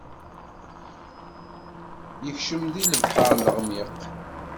Ikcem di lebḥeṛ leɣmiq.